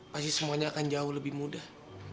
pasti semuanya akan jauh lebih mudah